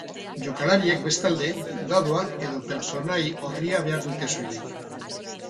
Jokalariek bestalde, dadoak eta pertsonai orria behar dute soilik.